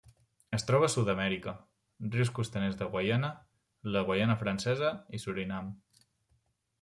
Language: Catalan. Es troba a Sud-amèrica: rius costaners de Guaiana, la Guaiana Francesa i Surinam.